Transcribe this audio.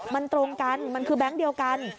มันตรงกันมันคือแบงค์เดียวกัน